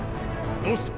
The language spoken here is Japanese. どうした？